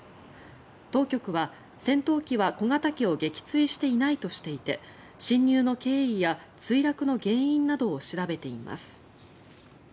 当局は戦闘機は小型機を撃墜していないとしていて侵入の経緯や墜落の原因などを調べています。